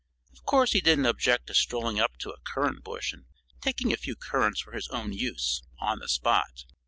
Of course he didn't object to strolling up to a currant bush and taking a few currants for his own use, on the spot.